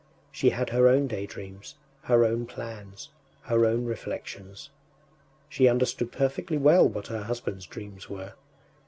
She had her own daydreams, her own plans, her own reflections; she understood perfectly well what her husband’s dreams were.